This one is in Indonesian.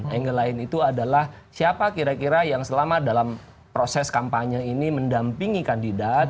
angle lain itu adalah siapa kira kira yang selama dalam proses kampanye ini mendampingi kandidat